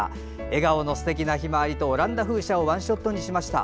笑顔のすてきなヒマワリとオランダ風車をワンショットにしてみました。